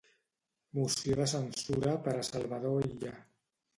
Moció de censura per a Salvador Illa.